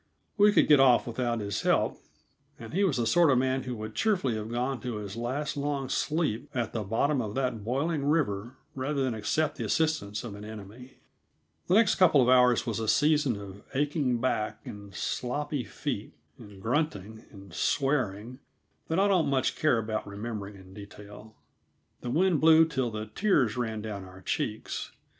We could get off without his help, and he was the sort of man who would cheerfully have gone to his last long sleep at the bottom of that boiling river rather than accept the assistance of an enemy. The next couple of hours was a season of aching back, and sloppy feet, and grunting, and swearing that I don't much care about remembering in detail. The wind blew till the tears ran down our cheeks.